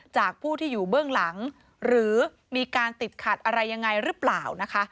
จากผู้ที่อยู่เบื้องหลังหรือมีการติดขัดอะไรยังไงหรือเปล่านะคะ